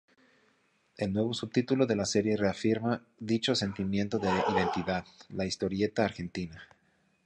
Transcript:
El nuevo subtítulo de la serie reafirma dicho sentimiento de identidad: "La historieta argentina".